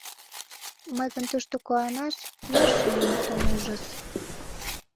Мый гын тушто куанаш йӧршым нимат ом ужыс.